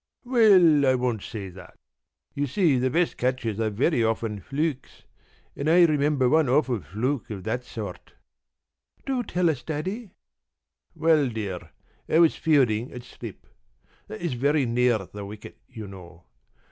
p> "Well, I won't say that. You see, the best catches are very often flukes, and I remember one awful fluke of that sort." "Do tell us, Daddy?" "Well, dear, I was fielding at slip. That is very near the wicket, you know.